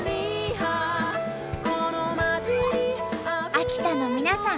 秋田の皆さん